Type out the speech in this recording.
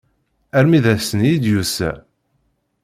Armi d ass-nni i d-yusa.